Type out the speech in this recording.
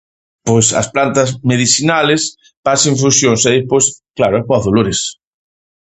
Pos as plantas medisinales pas infusiós e aí pos, claro, é pa os dolores.